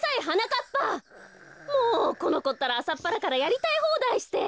もうこのこったらあさっぱらからやりたいほうだいして。